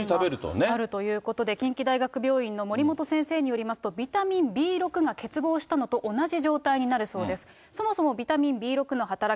あるということで、近畿大学病院の森本先生によりますと、ビタミンＢ６が欠乏したのと同じ状態になるそうです。